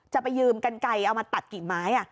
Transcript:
จะไปยืมกันไกลเอามาตัดกิ่งไม้